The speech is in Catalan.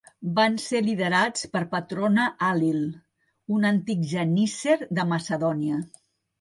Van ser liderats per Patrona Halil, un antic genísser de Macedònia.